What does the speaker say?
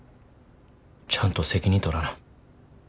ちゃんと責任取らな。